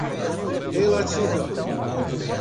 relativa